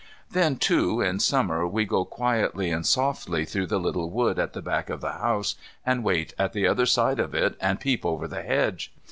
Then, too, in Summer we go quietly and softly through the little wood at the back of the house and wait at the other side of it and peep over the hedge.